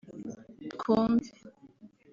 Twumve”